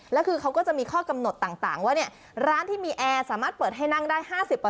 แล้วคือเขาก็จะมีข้อกำหนดต่างว่าร้านที่มีแอร์สามารถเปิดให้นั่งได้๕๐